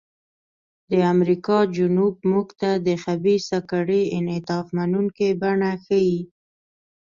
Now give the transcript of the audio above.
د امریکا جنوب موږ ته د خبیثه کړۍ انعطاف منونکې بڼه ښيي.